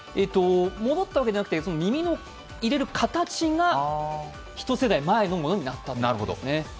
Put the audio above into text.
戻ったわけではなくて耳に入れる形が一世代前のものになったということですね。